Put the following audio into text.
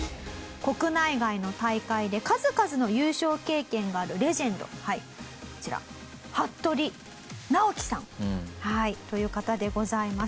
国内外の大会で数々の優勝経験があるレジェンドこちら服部尚貴さんという方でございます。